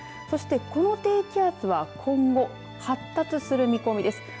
そして、この低気圧は今後発達する見込みです。